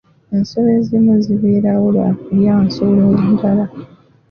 Ensolo ezimu zibeerawo lwa kulya nsolo ndala.